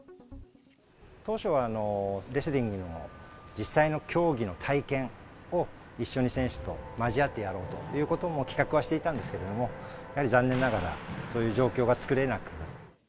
当初はレスリングの実際の競技の体験を一緒に選手と交わってやろうということも企画はしていたんですけれども、やはり残念ながら、そういう状況が作れなくなって。